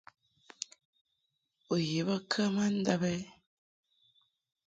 U ye bə kə ma ndab ɛ ?